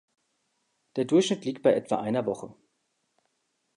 Der Durchschnitt liegt bei etwa einer Woche.